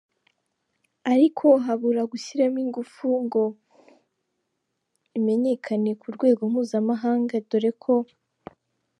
ariko habura gushyiramo ingufu ngo imenyekane ku rwego mpuzamahanga dore ko.